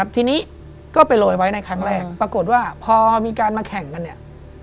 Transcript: ทีนี้ก็ไปโรยไว้ในครั้งแรกปรากฏว่าพอมีการมาแข่งกันเนี่ย